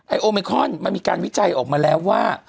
โอเมคอนมันมีการวิจัยออกมาแล้วว่า